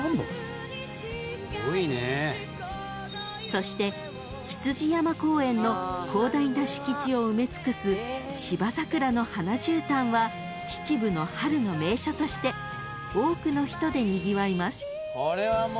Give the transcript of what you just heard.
［そして羊山公園の広大な敷地を埋め尽くす芝桜の花じゅうたんは秩父の春の名所として多くの人でにぎわいます］